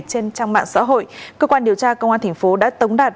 trên trang mạng xã hội cơ quan điều tra công an tp hcm đã tống đạt